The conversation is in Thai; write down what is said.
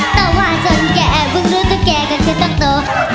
แต่ว่าฉันแก่เพิ่งรู้ตัวแก่กันคือโต๊ะโต